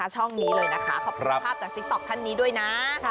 ช่องนี้เลยนะคะขอบคุณภาพจากติ๊กต๊อกท่านนี้ด้วยนะ